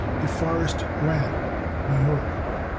De Forest Grant, New York.